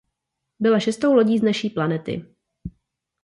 Byla šestou lodí z naší planety.